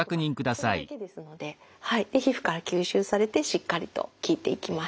で皮膚から吸収されてしっかりと効いていきます。